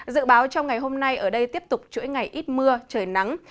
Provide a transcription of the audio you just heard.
dự báo trong ngày hôm nay ở đây tiếp tục chuỗi ngày ít mưa trời nắng